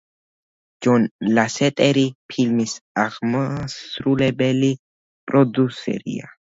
ჯონ ლასეტერი ფილმის აღმასრულებელი პროდიუსერია.